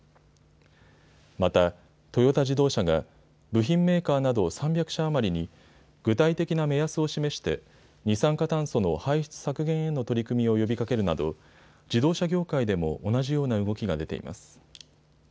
またトヨタ自動車が部品メーカーなど３００社余りに具体的な目安を示して二酸化炭素の排出削減への取り組みを呼びかけるなど自動車業界でも同じような動きが出ています。